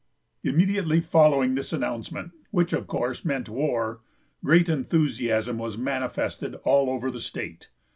Immediately following this announcement, which, of course, meant war, great enthusiasm was manifested all over the state.